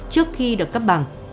trước khi được cấp bằng